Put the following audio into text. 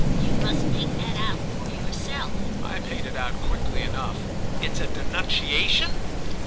"You must make that out for yourself." I made it out quickly enough. "It's a denunciation?"